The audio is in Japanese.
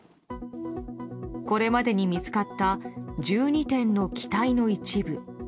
これまでに見つかった１２点の機体の一部。